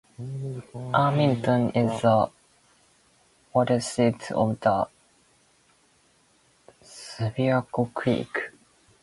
Ermington is the watershed of the Subiaco Creek.